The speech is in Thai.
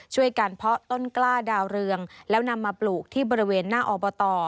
ช่วยกันเพาะต้นกล้าดาวเรืองแล้วนำมาปลูกที่บริเวณหน้าอบต